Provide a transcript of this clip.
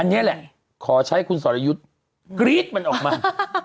อันนี้แหละขอใช้คุณสรยุทธ์กรี๊ดมันออกมา